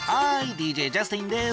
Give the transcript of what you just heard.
ＤＪジャスティンです。